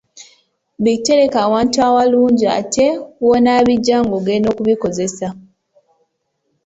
Bitereke awantu awalungi ate w‘onoobijja ng‘ogenda okubikozesa.